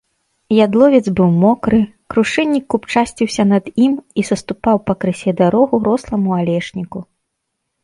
Ядловец быў мокры, крушыннік купчасціўся над ім і саступаў пакрысе дарогу росламу алешніку.